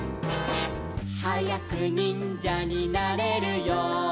「はやくにんじゃになれるように」